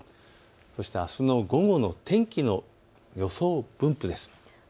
そしてあすの午後の天気の予想分布です。